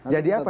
jadi apa nih